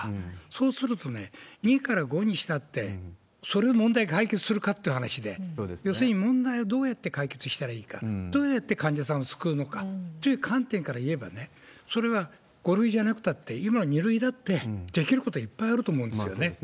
そうするとね、２から５にしたって、それで問題解決するかっていう話で、要するに問題をどうやって解決したらいいか、どうやって患者さんを救うのかという観点から言えば、それは５類じゃなくたって、今の２類だって、できることいっぱいあると思うんですよね。